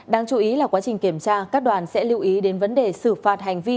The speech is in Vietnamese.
đáng chú ý là quá trình kiểm tra các đoàn sẽ lưu ý đến vấn đề xử phạt hành vi